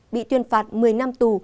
bị tuyên phạt một mươi năm tù